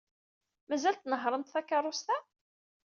Mazal tnehhṛemt takeṛṛust-a?